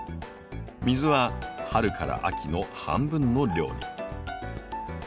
水は春から秋の半分の量に。